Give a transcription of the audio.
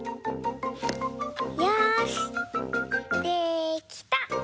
よしできた！